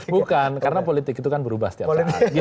bukan karena politik itu kan berubah setiap saat